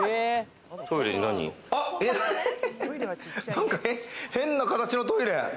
なんか変な形のトイレ。